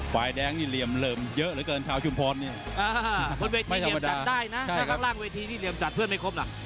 ฝ่ายแดงนี้เหลี่ยนเริมเยอะเกินกับชุมพรนี่